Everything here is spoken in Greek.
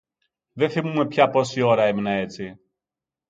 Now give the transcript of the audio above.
Δεν θυμούμαι πια πόση ώρα έμεινα έτσι